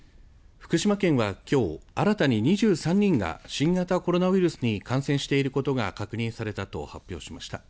福島県は、きょう新たに２３人が新型コロナウイルスに感染してることが確認されたと発表しました。